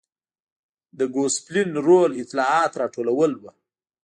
د ګوسپلین رول اطلاعات راټولول و.